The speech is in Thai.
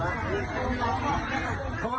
ท่านดูเหตุการณ์ก่อนนะครับ